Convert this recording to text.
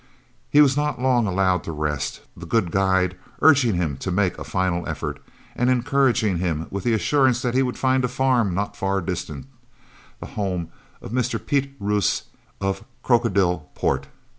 He was not long allowed to rest, the good guide urging him to make a final effort, and encouraging him with the assurance that he would find a farm not far distant, the home of Mr. Piet Roos, of Krokodil Poort.